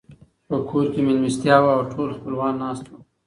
په کور کې مېلمستيا وه او ټول خپلوان ناست وو.